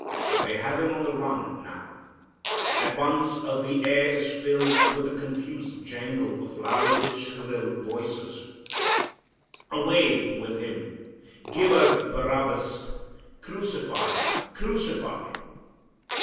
But they have him on the run now. At once the air is filled with a confused jangle of loud shrill voices, "Away with Him! Give us Barabbas! Crucify! Crucify."